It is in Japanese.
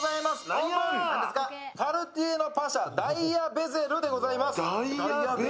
カルティエのパシャ、ダイヤベゼルでございます。